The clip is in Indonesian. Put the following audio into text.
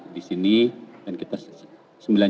di sini dan kita sembilan